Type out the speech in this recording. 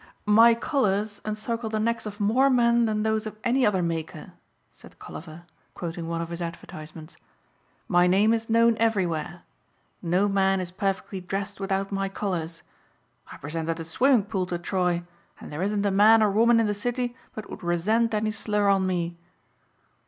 "My collars encircle the necks of more men than those of any other maker," said Colliver quoting one of his advertisements. "My name is known everywhere. No man is perfectly dressed without my collars. I presented a swimming pool to Troy and there isn't a man or woman in the city but would resent any slur on me."